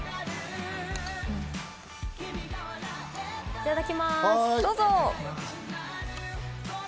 いただきます！